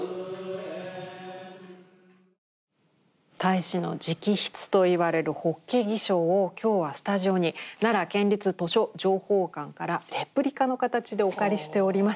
太子の直筆といわれる「法華義疏」を今日はスタジオに奈良県立図書情報館からレプリカの形でお借りしております。